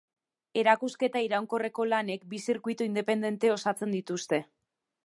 Erakusketa iraunkorreko lanek, bi zirkuitu independente osatzen dituzte.